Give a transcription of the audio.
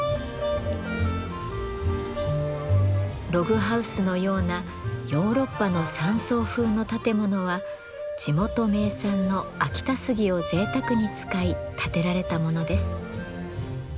ログハウスのようなヨーロッパの山荘風の建物は地元名産の秋田杉をぜいたくに使い建てられたものです。